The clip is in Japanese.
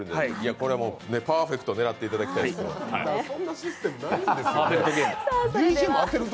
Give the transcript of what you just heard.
これパーフェクト狙っていただきたいと思います。